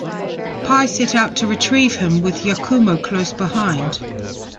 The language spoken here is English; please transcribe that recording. Pai set out to retrieve him, with Yakumo close behind.